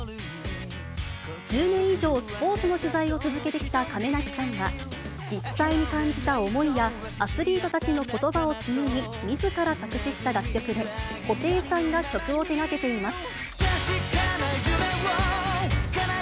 １０年以上、スポーツの取材を続けてきた亀梨さんが、実際に感じた思いや、アスリートたちのことばを紡ぎ、みずから作詞した楽曲で、布袋さんが曲を手がけています。